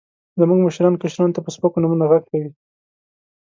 زموږ مشران، کشرانو ته په سپکو نومونو غږ کوي.